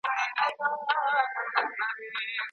سپما مې د خپل راتلونکي نسل لپاره وکړه.